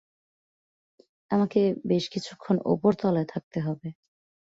আমাকে বেশ কিছুক্ষণ উপরতলায় থাকতে হবে।